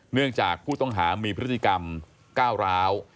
เนื่องจากผู้ต้องหามีพฤติกรรมก้าวร้าว